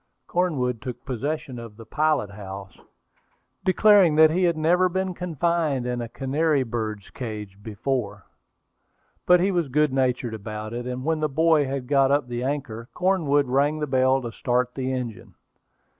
Cornwood took possession of the pilot house, declaring that he had never been confined in a canary bird's cage before. But he was good natured about it, and when the boy had got up the anchor, Cornwood rang the bell to start the engine.